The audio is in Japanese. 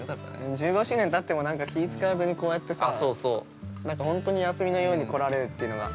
１５周年たっても、なんか気い使わずに、こうやってさ、休みのように来られるというのが。